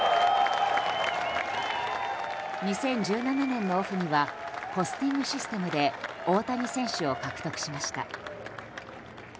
２０１７年のオフにはポスティングシステムで大谷選手を獲得しました。